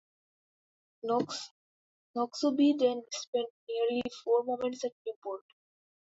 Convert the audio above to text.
"Noxubee" then spent nearly four months at Newport.